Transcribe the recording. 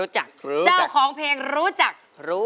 เจ้าของเพลงรู้จักรู้